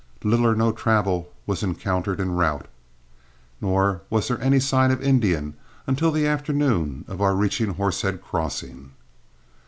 Little or no travel was encountered en route, nor was there any sign of Indians until the afternoon of our reaching Horsehead Crossing.